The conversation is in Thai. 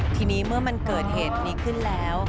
ทีนี้เมื่อมันเกิดเหตุนี้ขึ้นแล้ว